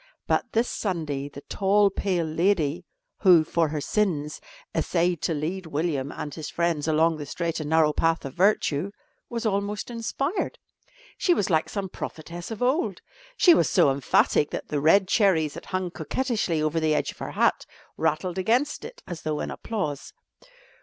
But this Sunday the tall, pale lady who, for her sins, essayed to lead William and his friends along the straight and narrow path of virtue, was almost inspired. She was like some prophetess of old. She was so emphatic that the red cherries that hung coquettishly over the edge of her hat rattled against it as though in applause.